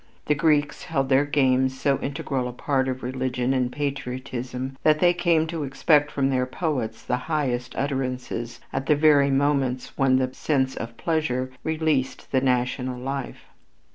The Greeks held their games so integral a part of religion and patriotism that they came to expect from their poets the highest utterances at the very moments when the sense of pleasure released the national life.